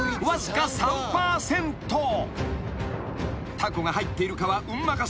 ［タコが入っているかは運任せ］